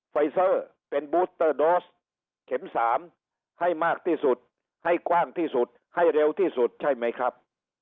ไฟเซอร์เป็นบูสเตอร์โดสเข็ม๓ให้มากที่สุดให้กว้างที่สุดให้เร็วที่สุดใช่ไหมครับ